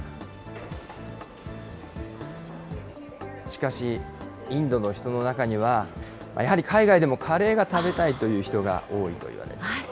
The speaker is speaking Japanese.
しかし、インドの人の中には、やはり海外でもカレーが食べたいという人が多いといわれています。